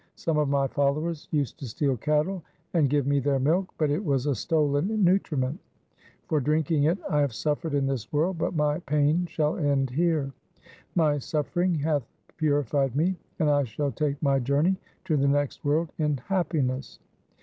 Some of my followers used to steal cattle, and give me their milk, but it was a stolen nutriment. For drinking it I have suffered in this world, but my pain shall end here. My suffering hath purified me, and I shall take my journey to the next world in happiness.'